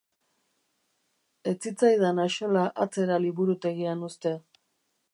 Ez zitzaidan axola atzera liburutegian uztea.